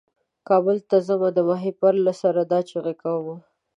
کابل ته ځمه د ماهیپر له سره دا چیغه کومه.